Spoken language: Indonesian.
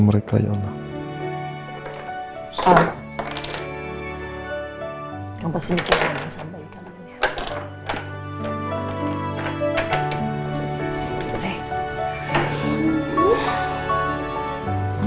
mereka ya allah kamu pasti gitu ya